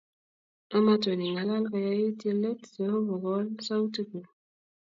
Amatun ingalal koyait yelet Jeova kowal sautik kuk